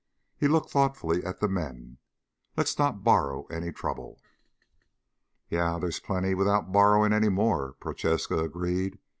He looked thoughtfully at the men. "Let's not borrow any trouble." "Yeah, there's plenty without borrowing any more," Prochaska agreed.